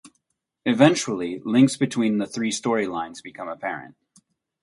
Eventually, links between the three storylines become apparent.